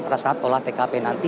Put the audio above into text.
pada saat olah tkp nanti